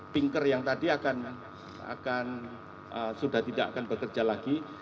pinker yang tadi sudah tidak akan bekerja lagi